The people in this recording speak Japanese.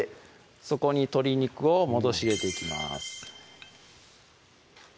そこに鶏肉を戻し入れていきます